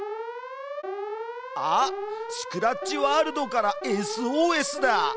あっスクラッチワールドからＳＯＳだ！